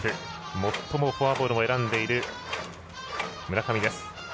最もフォアボールを選んでいる村上です。